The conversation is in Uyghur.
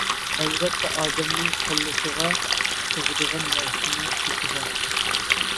ئەلۋەتتە ئادەمنىڭ كاللىسىغا سىغىدىغان نەرسىنىڭ چېكى بار.